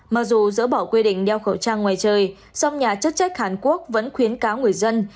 mặc dù dỡ bỏ quy định đeo khẩu trang ngoài trời song nhà chức trách hàn quốc vẫn khuyến cáo người dân